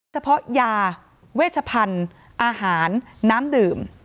เฉพาะยาเวชพันธุ์อาหารน้ำดื่ม